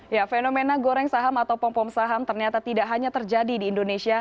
ya fenomena goreng saham atau pompom saham ternyata tidak hanya terjadi di indonesia